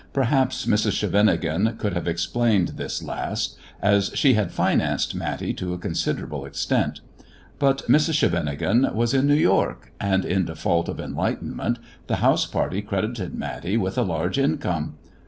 Perhaps Mrs. Scheveningen could have explained this last, as she had financed Matty to a considerable extent. But Mrs. Scheveningen was in New York, and in default of enlightenment the house party credited Matty with a large income.